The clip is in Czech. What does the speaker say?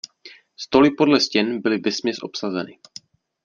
Stoly podle stěn byly vesměs obsazeny.